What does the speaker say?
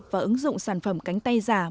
và ứng dụng sản phẩm cánh tay giả